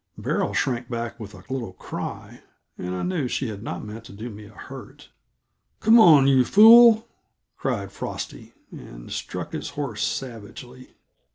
Beryl shrank backward with a little cry and I knew she had not meant to do me a hurt. "Come on, you fool!" cried Frosty, and struck his horse savagely.